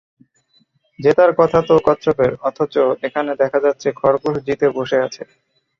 জেতার কথা তো কচ্ছপের, অথচ এখানে দেখা যাচ্ছে খরগোশ জিতে বসে আছে।